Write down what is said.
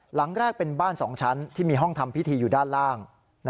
หลังแรกเป็นบ้าน๒ชั้นที่มีห้องทำพิธีอยู่ด้านล่าง